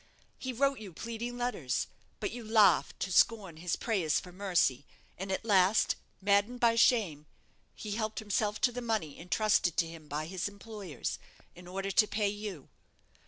He wrote you pleading letters; but you laughed to scorn his prayers for mercy, and at last, maddened by shame, he helped himself to the money entrusted to him by his employers, in order to pay you.